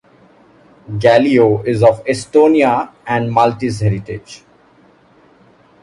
Galea is of Estonian and Maltese heritage.